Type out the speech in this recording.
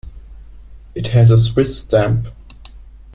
It has a Swiss stamp.